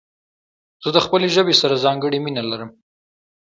زه د خپلي ژبي سره ځانګړي مينه لرم.